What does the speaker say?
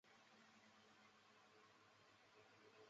由永安旅游赞助及协助制作。